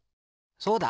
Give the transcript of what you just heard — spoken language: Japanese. そうだ！